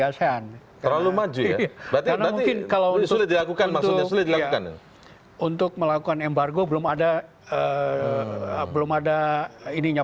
asean terlalu maju karena mungkin kalau sulit dilakukan untuk melakukan embargo belum ada belum ada ininya